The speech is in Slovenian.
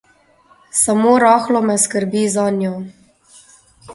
Samo rahlo me skrbi zanjo.